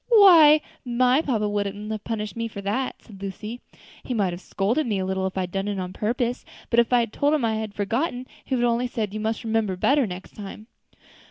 _ why my papa wouldn't have punished me for that," said Lucy. "He might have scolded me a little if I had done it on purpose, but if I had told him I had forgotten, he would only have said, 'You must remember better next time.'"